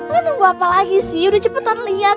lo nunggu apa lagi sih udah cepetan liat